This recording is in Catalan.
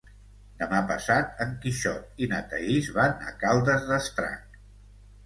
Demà passat en Quixot i na Thaís van a Caldes d'Estrac.